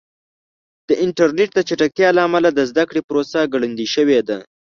د انټرنیټ د چټکتیا له امله د زده کړې پروسه ګړندۍ شوې ده.